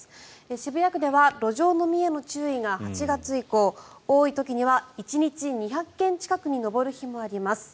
渋谷区では路上飲みへの注意が８月以降多い時には１日２００件近くに上る日もあります。